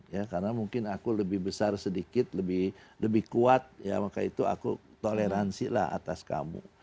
ya karena mungkin aku lebih besar sedikit lebih kuat ya maka itu aku toleransilah atas kamu